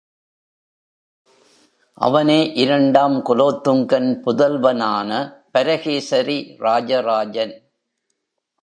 அவனே இரண்டாம் குலோத்துங்கன் புதல்வனான பரகேசரி ராஜராஜன்.